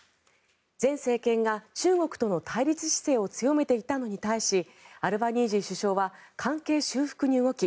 前政権が中国との対立姿勢を強めていたのに対しアルバニージー首相は関係修復に動き